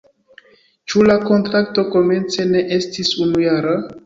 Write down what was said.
Ĉu la kontrakto komence ne estis unujara?